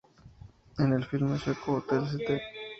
En el filme sueco "Hotel St.